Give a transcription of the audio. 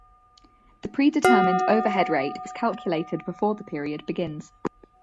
The pre-determined overhead rate is calculated before the period begins.